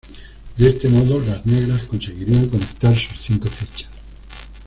De este modo, las negras conseguirían conectar sus cinco fichas.